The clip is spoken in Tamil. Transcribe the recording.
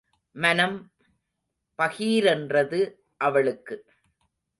மனம் பகீரென்றது அவளுக்கு.